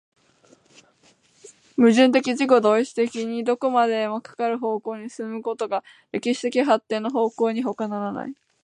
矛盾的自己同一的にどこまでもかかる方向に進むことが歴史的発展の方向にほかならない。